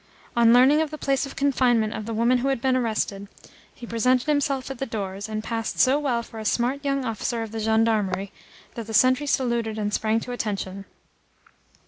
On learning of the place of confinement of the woman who had been arrested, he presented himself at the doors, and passed so well for a smart young officer of gendarmery that the sentry saluted and sprang to attention.